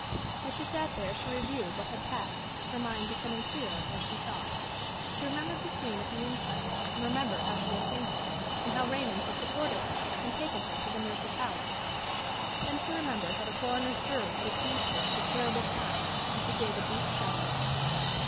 As she sat there she reviewed what had passed, her mind becoming clearer as she thought. She remembered the scene at the inquest, and remembered how she had fainted, and how Raymond had supported her and taken her to the nurse's house. Then she remembered how the coroner's jury had accused her of the terrible crime, and she gave a deep shudder.